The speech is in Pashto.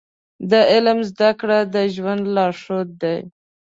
د علم زده کړه د ژوند لارښود دی.